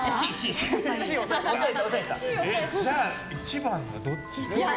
じゃあ１番がどっち？